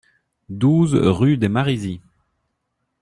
douze rue des Marizys